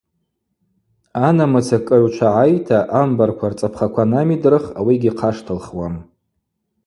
Анамыца кӏыгӏвчва гӏайта, амбарква рцӏапхаква намидрых ауи йгьихъаштылхуам.